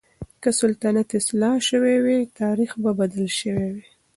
که سلطنت اصلاح شوی وای، تاريخ به بدل شوی وای.